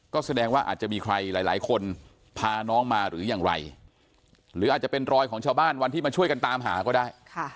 ก็แสดงว่าอาจจะมีใครหลายคนพาน้องมาหรืออย่างไรหรืออาจจะเป็นรอยของชาวบ้านวันที่มาช่วยกันตามหาก็ได้